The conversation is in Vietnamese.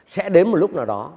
sẽ đến một lúc nào đó